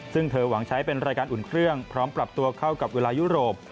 ซึ่งเธอหวังใช้เป็นรายการอุ่นเครื่องพร้อมปรับตัวเข้ากับเวลายุโรป